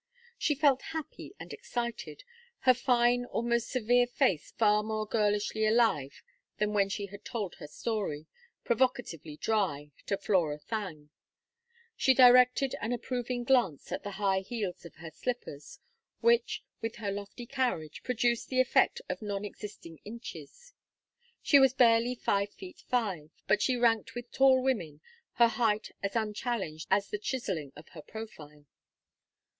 She felt happy and excited, her fine almost severe face far more girlishly alive than when she had told her story, provocatively dry, to Flora Thangue. She directed an approving glance at the high heels of her slippers, which, with her lofty carriage, produced the effect of non existing inches. She was barely five feet five, but she ranked with tall women, her height as unchallenged as the chiselling of her profile.